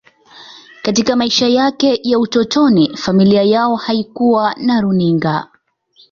Katika maisha yake ya utotoni, familia yao haikuwa na runinga.